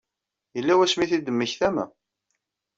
Yella wasmi i t-id-temmektam?